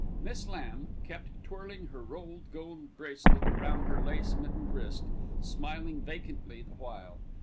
Miss Lamb kept twirling her rolled gold bracelet round her lace mittened wrist, smiling vacantly the while.